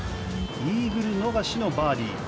イーグル逃しのバーディー。